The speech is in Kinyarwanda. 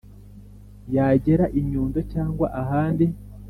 yagera i nyundo cyangwa ahandi